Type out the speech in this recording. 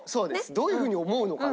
「どういう風に思うのかな？」。